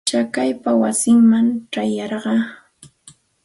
Chakaypa wasiiman ćhayarqaa.